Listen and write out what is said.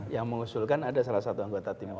yang mengusulkan ada salah satu anggota tim yang